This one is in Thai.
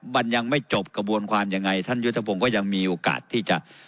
มันยังไม่จบกระบวนความยังไงท่านยุทธพงศ์ก็ยังมีโอกาสที่จะ